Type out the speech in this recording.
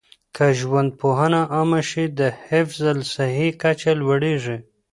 که ژوندپوهنه عامه شي، د حفظ الصحې کچه لوړيږي.